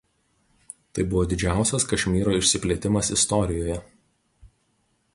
Tai buvo didžiausias Kašmyro išsiplėtimas istorijoje.